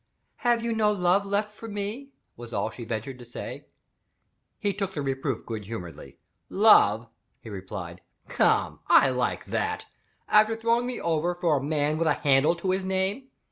"Have you no love left for me?" was all she ventured to say. He took the reproof good humoredly. "Love?" he repeated. "Come! I like that after throwing me over for a man with a handle to his name.